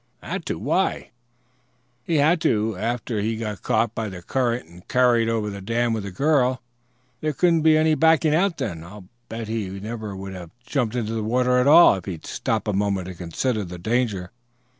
"Had to? Why " "He had to after he got caught by the current and carried over the dam with the girl. There couldn't be any backing out then. I'll bet he never would have jumped into the water at all if he'd stopped a moment to consider the danger.